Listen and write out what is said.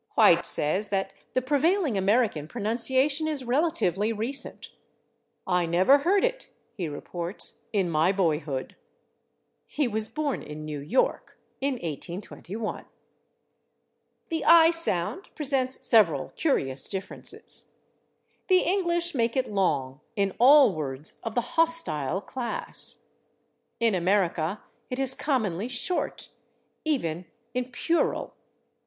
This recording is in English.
White says that the prevailing American pronunciation is relatively recent. "I never heard it," he reports, "in my boyhood." He was born in New York in 1821. The /i/ sound presents several curious differences. The English make it long in all words of the /hostile/ class; in America it is commonly short, even in /puerile